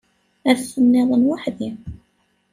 Ass-nniḍen weḥd-i.